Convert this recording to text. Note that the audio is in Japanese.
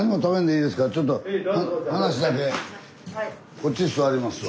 こっちへ座りますわ。